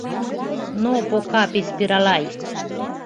Но по капис пиралай.